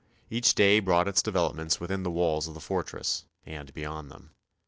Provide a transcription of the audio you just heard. Each day brought its developments within the walls of the fortress, and beyond them.